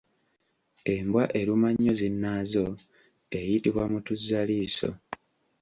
Embwa eruma ennyo zinnaazo eyitibwa Mutuzzaliiso.